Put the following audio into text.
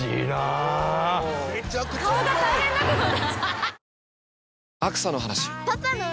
顔が大変なことに。